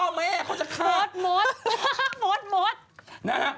ไม่ใช่พ่อแม่เขาจะฆ่าโฟส